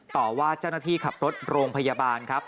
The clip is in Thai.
ต่อว่าเจ้าหน้าที่ขับรถโรงพยาบาลครับ